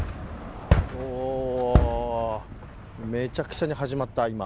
めちゃくちゃに始まった、今。